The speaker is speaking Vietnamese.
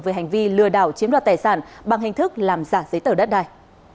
về hành vi lừa đảo chiếm đoạt tài sản bằng hình thức làm giả giấy tờ đất đài